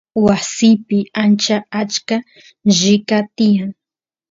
wasiypi ancha achka llika tiyan